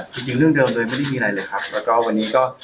จริงเรื่องเดิมเลยไม่ได้มีอะไรเลยครับแล้วก็วันนี้ก็